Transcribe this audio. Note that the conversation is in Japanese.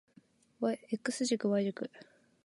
X 軸 Y 軸